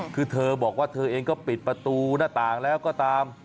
คือเธอบอกว่าเธอเองก็ปิดประตูหน้าต่างแล้วก็ตาม